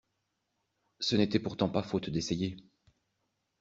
Ce n’était pourtant pas faute d’essayer.